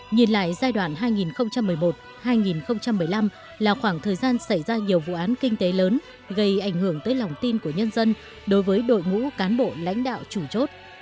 nhìn lại giai đoạn hai nghìn một mươi một hai nghìn một mươi năm là khoảng thời gian xảy ra nhiều vụ án kinh tế lớn gây ảnh hưởng tới lòng tin của nhân dân đối với đội ngũ cán bộ lãnh đạo chủ chốt